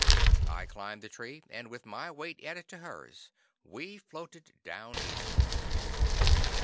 I climbed the tree and, with my weight added to hers, we floated down easily.